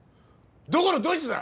どこのどいつだ！